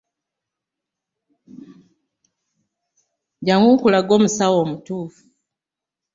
Jangu nkulage omusawo omutuufu.